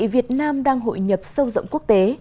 việt nam đang hội nhập sâu rộng quốc tế